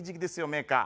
メーカー。